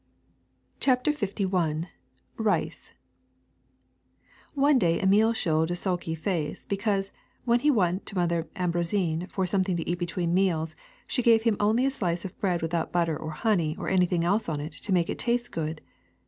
'' CHAPTER LI KICE ONE day Emile showed a sulky face because, when he went to Mother Ambroisine for some thing to eat between meals, she gave him only a slice of bread without butter or honey or anything else on it to make it taste good.